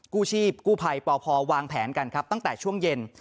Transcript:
กู้ชีพกู้ภัยปพวางแผนกันครับตั้งแต่ช่วงเย็น